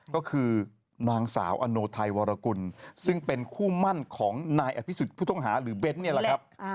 ก็คือนางสาวอโนไทยวรกุลซึ่งเป็นคู่มั่นของนายอภิสุทธิ์ผู้ต้องหาหรือเบ้นเนี่ยแหละครับ